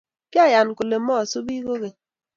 Kyayan kole masubi kogeny